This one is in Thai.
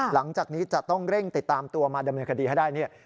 หลังจากนี้จะต้องเร่งติดตามตัวมาดำเนินคดีให้ได้เนี่ย